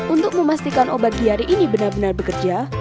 untuk memastikan obat diare ini benar benar bekerja